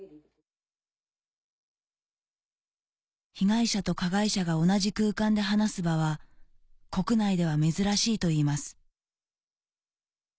被害者と加害者が同じ空間で話す場は国内では珍しいといいます